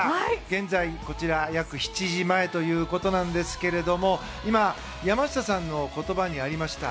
現在、こちら約７時前ということですけれども今、山下さんの言葉にありました